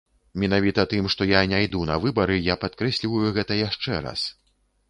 Менавіта тым, што я не іду на выбары, я падкрэсліваю гэта яшчэ раз.